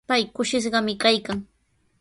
Pay kushishqami kaykan.